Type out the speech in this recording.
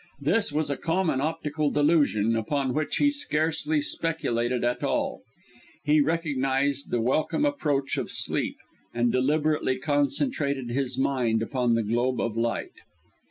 This was a common optical delusion, upon which he scarcely speculated at all. He recognised the welcome approach of sleep, and deliberately concentrated his mind upon the globe of light.